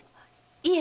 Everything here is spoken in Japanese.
いえ。